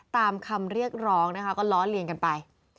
ตามคำเรียกร้องนะคะก็ล้อเลียนกันไป